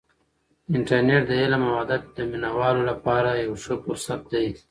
انټرنیټ د علم او ادب د مینه والو لپاره یو ښه فرصت دی.